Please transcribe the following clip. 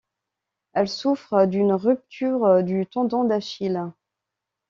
Elle souffre d'une rupture du tendon d'Achille.